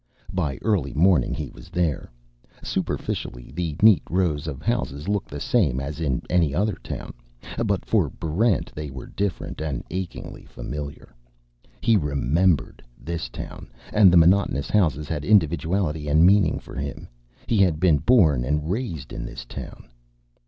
By early morning he was there. Superficially, the neat rows of houses looked the same as in any other town. But for Barrent they were different, and achingly familiar. He remembered this town, and the monotonous houses had individuality and meaning for him. He had been born and raised in this town.